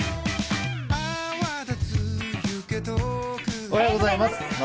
おはようございます。